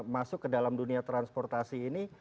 masuk ke dalam dunia transportasi ini